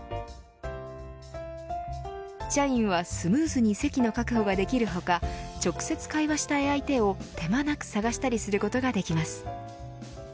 社員はスムーズに席の確保ができる他直接会話したい相手を手間なく探したりすることができます。